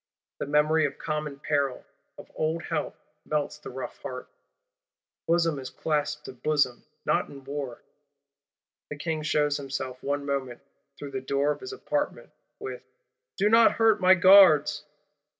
The memory of common peril, of old help, melts the rough heart; bosom is clasped to bosom, not in war. The King shews himself, one moment, through the door of his Apartment, with: 'Do not hurt my Guards!